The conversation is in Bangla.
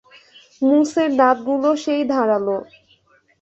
মুসের দাঁতগুলো সেই ধারালো।